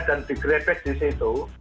dan digrepek di situ